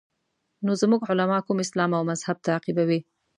نو زموږ علما کوم اسلام او مذهب تعقیبوي.